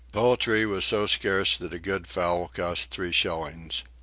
Poultry was so scarce that a good fowl cost three shillings.